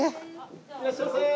いらっしゃいませ！